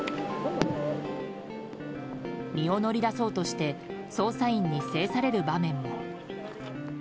身を乗り出そうとして捜査員に制される場面も。